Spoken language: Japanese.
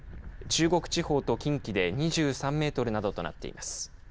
中国地方と近畿で２３メートルなどとなっています。